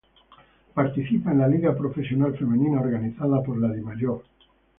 Participa en la Liga Profesional Femenina organizada por la Dimayor.